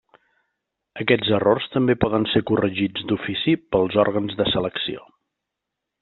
Aquests errors també poden ser corregits d'ofici pels òrgans de selecció.